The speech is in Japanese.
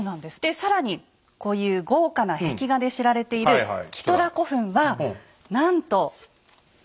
更にこういう豪華な壁画で知られているキトラ古墳はなんと円形。